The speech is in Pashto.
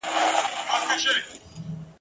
زه به مي څنګه کوچۍ ښکلي ته غزل ولیکم ..